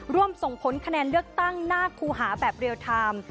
ร่วมส่งผลคะแนนเลือกตั้งหน้าครูหาแบบเรียลไทม์